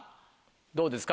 どうですか？